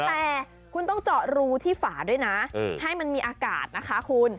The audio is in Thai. แต่คุณต้องเจาะรูที่ฝาด้วยนะให้มันมีอากาศนะคะคุณ